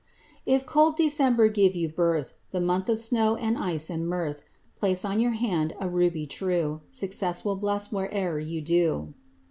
If cold December give you birth— The month of snow and ice and mirth— Place on your hand a ruby true; Success will bless whate'er you do.